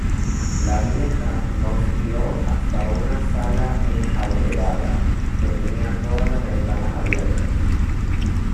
la vieja nos guió hasta una sala enjalbegada, que tenía todas las ventanas abiertas.